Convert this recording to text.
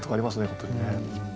本当にね。